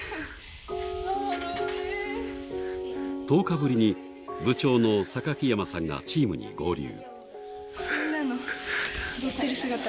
１０日ぶりに部長の榊山さんがチームに合流。